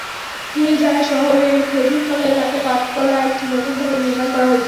Police জানায়, শহরের খেজুরতলা এলাকায় পাঁচতলা একটি নতুন ভবন নির্মাণ করা হচ্ছে।